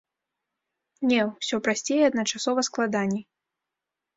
Не, усё прасцей і адначасова складаней.